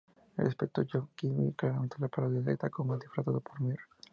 El aspecto de Gou Hibiki claramente es la parodia de Takuma disfrazado como Mr.